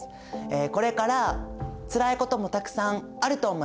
これからつらいこともたくさんあると思います。